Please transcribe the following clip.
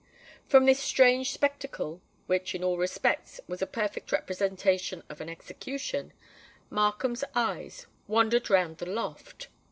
From this strange spectacle,—which, in all respects, was a perfect representation of an execution—Markham's eyes wandered round the loft.